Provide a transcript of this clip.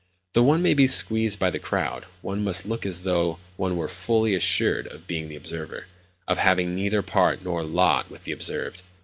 Though one may be squeezed by the crowd, one must look as though one were fully assured of being the observer—of having neither part nor lot with the observed.